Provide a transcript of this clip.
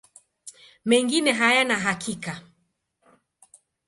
Mengine hayana hakika.